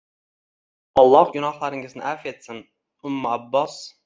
Olloh gunohlaringizni afv etsin, Ummu Abbos